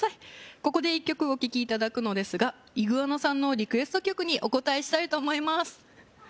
ここで１曲お聴きいただくのですがイグアナさんのリクエスト曲にお応えしたいと思います